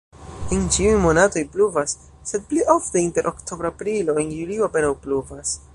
En ĉiuj monatoj pluvas, sed pli ofte inter oktobro-aprilo, en julio apenaŭ pluvas.